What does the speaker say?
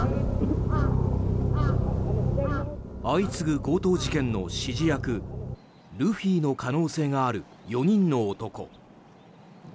相次ぐ強盗事件の指示役ルフィの可能性がある４人の男。